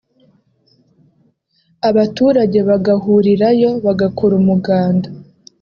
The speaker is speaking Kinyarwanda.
abaturage bagahurirayo bagakora umuganda